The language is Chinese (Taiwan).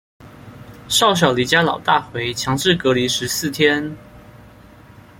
少小離家老大回，強制隔離十四天